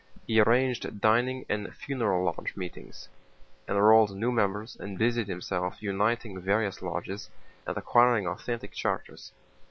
He arranged dining and funeral lodge meetings, enrolled new members, and busied himself uniting various lodges and acquiring authentic charters.